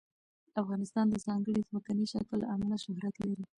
افغانستان د ځانګړي ځمکني شکل له امله شهرت لري.